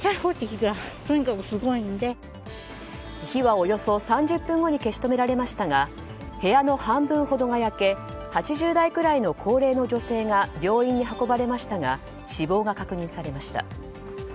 火はおよそ３０分後に消し止められましたが部屋の半分ほどが焼け８０代くらいの高齢の女性が病院に運ばれましたが死亡が確認されました。